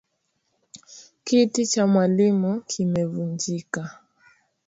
Kiti cha mwalimu kimevunjika.